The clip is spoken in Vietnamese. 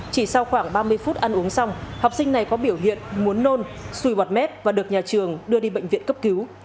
chỉ sau khoảng ba mươi phút ăn uống xong học sinh này có biểu hiện muốn nôn xùi bọt mép và được nhà trường đưa đi bệnh viện cấp cứu